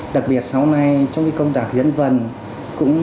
đặc biệt sau này trong cái công tác diễn vần